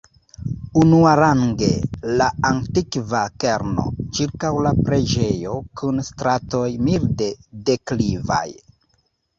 Unuarange, la antikva kerno, ĉirkaŭ la preĝejo, kun stratoj milde deklivaj.